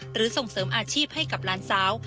ส่งเสริมอาชีพให้กับหลานสาว